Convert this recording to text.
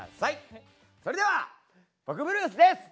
それでは「ボクブルース」です。